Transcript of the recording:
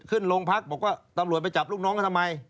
ขึ้นโรงพักบอกว่าตำรวจไปจับลูกน้องเขาทำไม